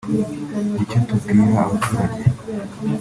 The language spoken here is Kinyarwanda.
nicyo tubwira abaturage